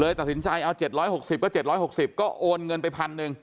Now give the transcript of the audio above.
ตัดสินใจเอา๗๖๐ก็๗๖๐ก็โอนเงินไป๑๐๐นึง